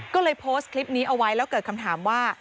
ก็เลยโพสต์คลิปนี้เอาไว้แล้วเกิดคำถามว่า